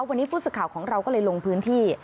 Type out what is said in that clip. วันนี้ผู้สื่อข่าวของเราก็เลยลงพื้นที่